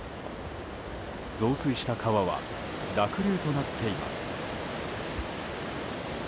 増水した川は濁流となっています。